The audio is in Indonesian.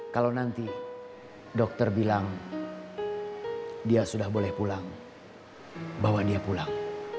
kalau nanti dokter bilang dia sudah boleh pulang bawa dia pulang